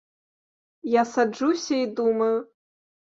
Я саджуся і думаю.